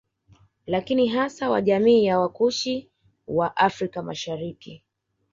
Lakini hasa wa jamii ya Wakushi wa Afrika Mashariki